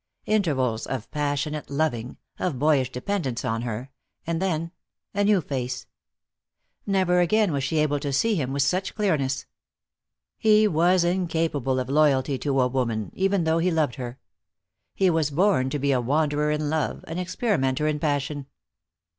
Intervals of passionate loving, of boyish dependence on her, and then a new face. Never again was she to see him with such clearness. He was incapable of loyalty to a woman, even though he loved her. He was born to be a wanderer in love, an experimenter in passion.